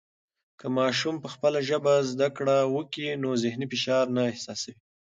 که ماشوم په خپله ژبه زده کړه و کي نو ذهني فشار نه احساسوي.